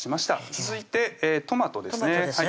続いてトマトですね